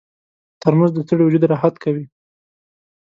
ترموز د ستړي وجود راحت کوي.